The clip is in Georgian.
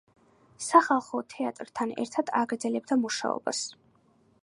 სახალხო თეატრთან ერთად აგრძელებდა მუშაობას.